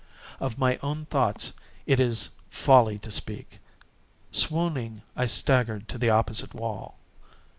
Of my own thoughts it is folly to speak. Swooning, I staggered to the opposite wall.